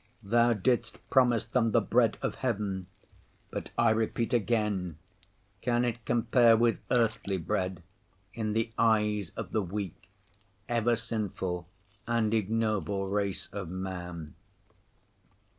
Thou didst promise them the bread of Heaven, but, I repeat again, can it compare with earthly bread in the eyes of the weak, ever sinful and ignoble race of man?